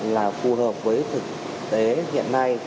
là phù hợp với thực tế hiện nay